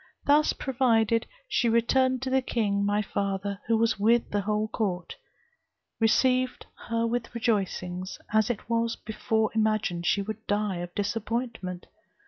Thus provided, she returned to the king, my father, who with the whole court, received her with rejoicings, as it was before imagined she would die of disappointment.